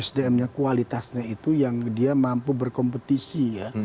sdm nya kualitasnya itu yang dia mampu berkompetisi ya